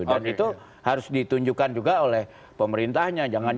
dan itu harus ditunjukkan juga oleh pemerintahnya